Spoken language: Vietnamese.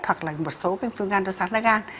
hoặc là một số viêm gan do sát lái gan